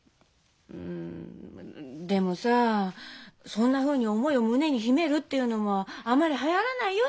そんなふうに思いを胸に秘めるっていうのはあまりはやらないよ